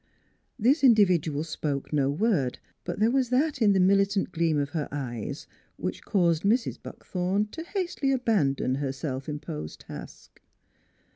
This in dividual spoke no word, but there was that in the militant gleam of her eyes which caused Mrs. Buckthorn to hastily abandon her self imposed task.